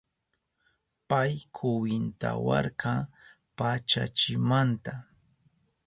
Pay kwintawarka pachachimanta